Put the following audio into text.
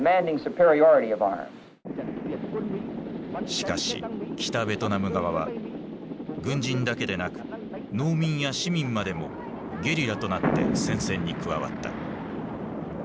しかし北ベトナム側は軍人だけでなく農民や市民までもゲリラとなって戦線に加わった。